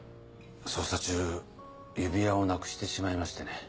捜査中指輪をなくしてしまいましてね。